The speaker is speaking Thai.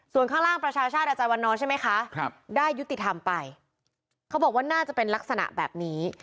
ส่วนข้างล่างประชาชาติอาจารย์วันนอร์ใช่ไหมคะได้ยุติธรรมไปเขาบอกว่าน่าจะเป็นลักษณะแบบนี้